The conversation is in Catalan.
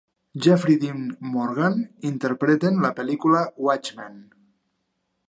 Jeffrey Dean Morgan interpreten la pel·lícula "Watchmen".